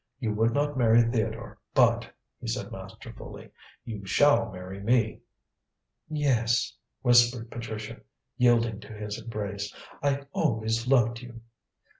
You would not marry Theodore; but," he said masterfully, "you shall marry me." "Yes," whispered Patricia, yielding to his embrace; "I always loved you."